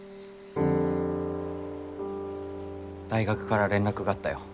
大学から連絡があったよ。